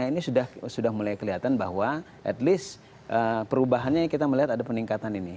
ini sudah mulai kelihatan bahwa at least perubahannya kita melihat ada peningkatan ini